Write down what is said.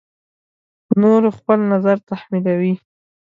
په نورو خپل نظر تحمیلوي.